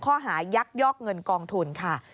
ห้อหายักยอกเงินกองทุนค่ะ